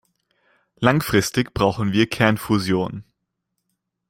Langfristig brauchen wir Kernfusion.